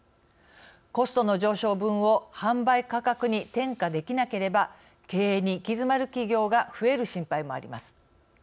コストの上昇分を販売価格に転嫁できなければ経営に行き詰まる企業が増える心配もあります。